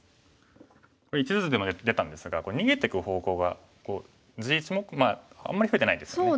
これ１図でも出たんですがこれ逃げていく方向が地があんまり増えてないですよね。